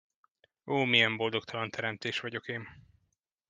Ó, milyen boldogtalan teremtés vagyok én!